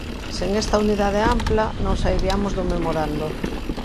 Sen esta unidade ampla, non sairiamos do memorando.